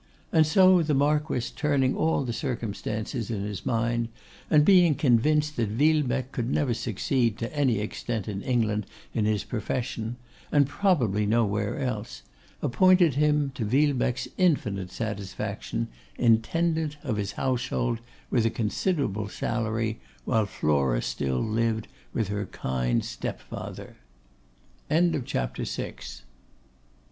And so the Marquess, turning all the circumstances in his mind, and being convinced that Villebecque could never succeed to any extent in England in his profession, and probably nowhere else, appointed him, to Villebecque's infinite satisfaction, intendant of his household, with a considerable salary, while Flora still lived with her kind step father. CHAPTER VII.